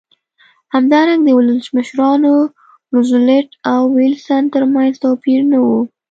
همدارنګه د ولسمشرانو روزولټ او ویلسن ترمنځ توپیر نه و.